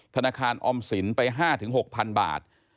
ธนาคารออมสินไป๕๖๐๐๐บาท